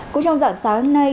cũng trong dặn sáng nay